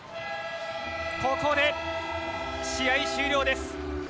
ここで試合終了です。